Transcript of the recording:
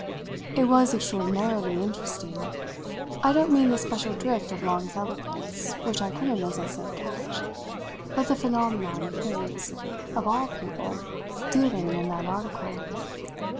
It was extraordinarily interesting I don't mean the special drift of Long's eloquence, which I couldn't, as I say, catch; but the phenomenon of his, of all people, dealing in that article.